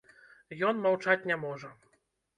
Ён маўчаць не можа.